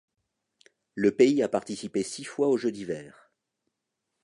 Le pays a participé six fois aux Jeux d'hiver.